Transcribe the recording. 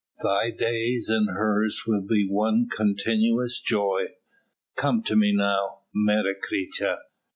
Thy days and hers will be one continuous joy. Come to me now, Menecreta!